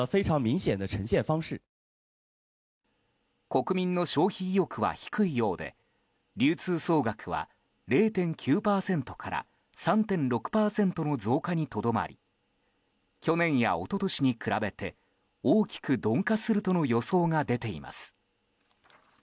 国民の消費意欲は低いようで流通総額は０．９％から３．６％の増加にとどまり去年や一昨年に比べて大きく鈍化するとの予想が出ています。